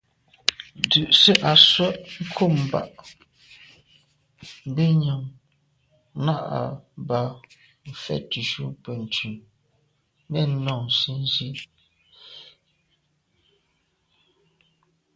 Ndùse à swe’ nkum bag mbi nyam nà à ba mfetnjù Benntùn nèn nô nsi nzi.